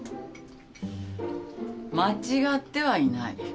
間違ってはいない。